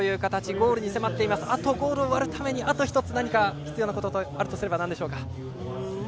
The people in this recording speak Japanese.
ゴールを割るためにあと１つ何か必要なことがあるとすればなんでしょうか。